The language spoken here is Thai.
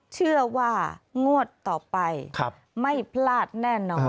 เชื่อว่างวดต่อไปไม่พลาดแน่นอน